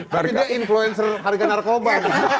barangnya influencer harga narkoba